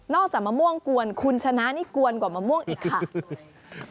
จากมะม่วงกวนคุณชนะนี่กวนกว่ามะม่วงอีกค่ะ